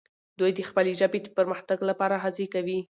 دوی د خپلې ژبې د پرمختګ لپاره هڅې کوي.